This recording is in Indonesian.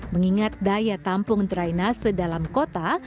mengingat daya tampung drainase dalam kota